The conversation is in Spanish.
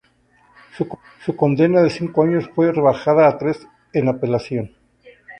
Su condena de cinco años fue rebajada a tres años en apelación.